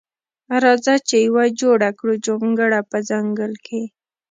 راخه چی یوه جوړه کړو جونګړه په ځنګل کی.